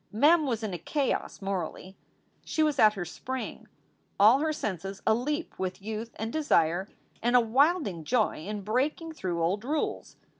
Mem was in a chaos morally. She was at her spring, all her senses aleap with youth and desire and a wilding joy in breaking through old rules.